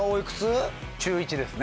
中１ですね。